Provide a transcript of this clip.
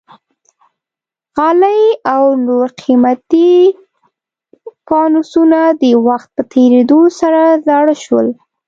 غالۍ او نور قیمتي فانوسونه د وخت په تېرېدو سره زاړه شول.